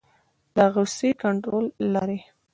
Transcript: د غصې کنټرول لارې